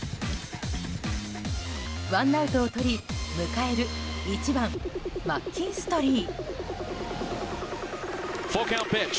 ワンアウトをとり迎える１番、マッキンストリー。